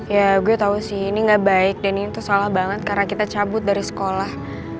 ya gue tau sih ini gak baik dan itu salah banget karena kita cabut dari sekolah